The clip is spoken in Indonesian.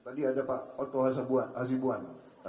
tadi ada pak otto hasibuan